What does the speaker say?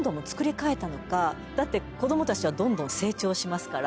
だって子供たちはどんどん成長しますから。